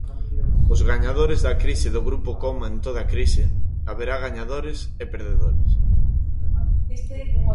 Os gañadores da crise do grupo Coma en toda crise, haberá gañadores e perdedores.